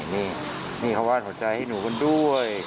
นี่นี่เขาวาดหัวใจให้หนูคุณด้วย